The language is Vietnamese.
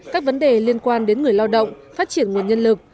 các vấn đề liên quan đến người lao động phát triển nguồn nhân lực